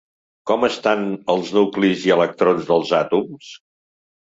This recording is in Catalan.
Com estan els nuclis i electrons dels àtoms?